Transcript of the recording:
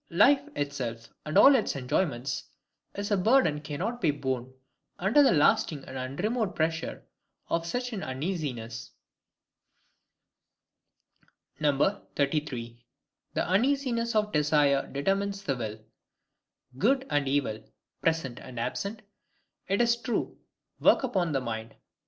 Life itself, and all its enjoyments, is a burden cannot be borne under the lasting and unremoved pressure of such an uneasiness. 33. The Uneasiness of Desire determines the Will. Good and evil, present and absent, it is true, work upon the mind.